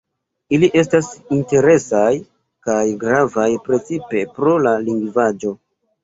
Ili estas interesaj kaj gravaj precipe pro la lingvaĵo.